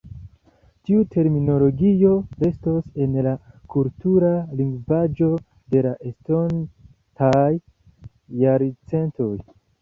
Tiu terminologio restos en la kultura lingvaĵo de la estontaj jarcentoj.